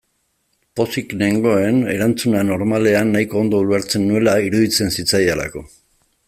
Pozik nengoen erantzuna, normalean, nahiko ondo ulertzen nuela iruditzen zitzaidalako.